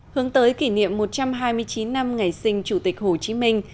hướng tới kỷ niệm một trăm hai mươi chín năm ngày sinh chủ tịch hồ chí minh